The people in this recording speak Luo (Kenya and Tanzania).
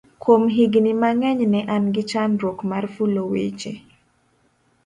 kuom higni mang'eny ne an gi chandruok mar fulo weche